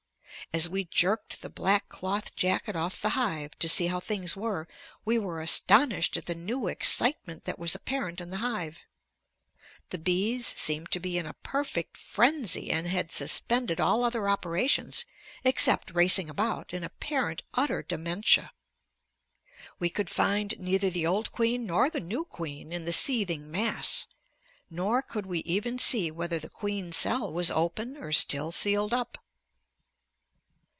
As we jerked the black cloth jacket off the hive to see how things were, we were astonished at the new excitement that was apparent in the hive; the bees seemed to be in a perfect frenzy and had suspended all other operations except racing about in apparent utter dementia. We could find neither the old queen nor the new queen in the seething mass, nor could we even see whether the queen cell was open or still sealed up.